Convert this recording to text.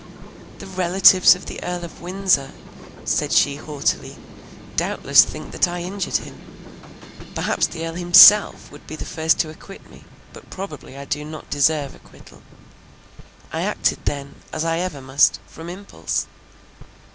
"The relatives of the Earl of Windsor," said she haughtily, "doubtless think that I injured him; perhaps the Earl himself would be the first to acquit me, but probably I do not deserve acquittal. I acted then, as I ever must, from impulse.